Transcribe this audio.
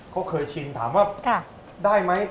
เขาเคยชินถามว่าได้ไหม